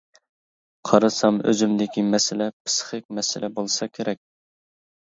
قارىسام ئۆزۈمدىكى مەسىلە پىسخىك مەسىلە بولسا كېرەك.